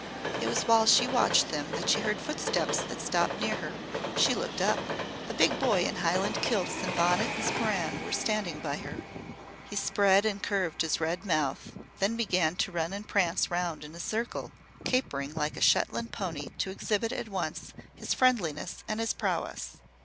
It was while she watched them that she heard footsteps that stopped near her. She looked up. A big boy in Highland kilts and bonnet and sporan was standing by her. He spread and curved his red mouth, then began to run and prance round in a circle, capering like a Shetland pony to exhibit at once his friendliness and his prowess.